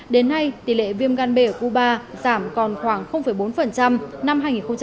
đến nay tỷ lệ viêm gan b ở cuba giảm còn khoảng bốn năm hai nghìn một mươi bảy